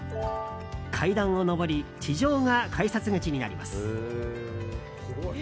階段を上り地上が改札口になります。